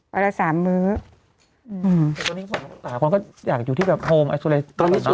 หลายคนอยากจะอยู่ที่โฮมอัสโซเลสต์